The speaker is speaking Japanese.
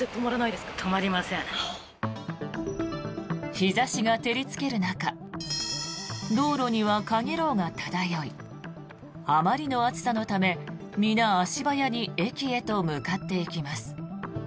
日差しが照りつける中道路にはかげろうが漂いあまりの暑さのため皆、足早に駅へと向かっていきます。